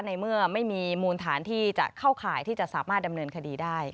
ในเมื่อไม่มีมูลฐานที่จะเข้าข่ายที่จะสามารถดำเนินคดีได้